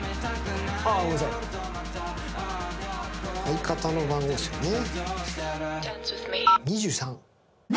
相方の番号ですよね。